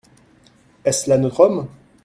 Est-ce là notre homme ?